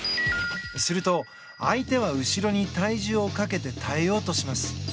すると相手は後ろに体重をかけて耐えようとします。